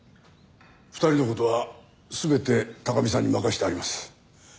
２人の事は全て貴巳さんに任せてあります。